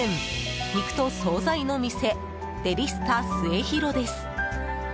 肉と総菜の店デリスタスエヒロです。